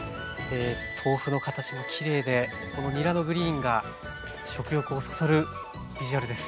豆腐の形もきれいでこのにらのグリーンが食欲をそそるビジュアルです！